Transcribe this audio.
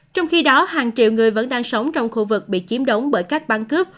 trong khi đó hàng triệu người vẫn đang sống trong khu vực bị chiếm đóng bởi các bán cướp